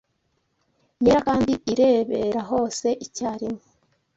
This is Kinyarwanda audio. yera kandi irebera hose icyarimwe